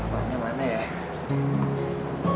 wah nyaman ya